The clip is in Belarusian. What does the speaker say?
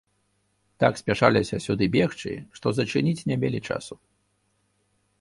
Так спяшаліся сюды бегчы, што зачыніць не мелі часу.